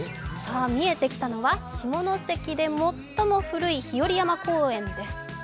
さあ、見えてきたのは下関で最も古い日和山公園です。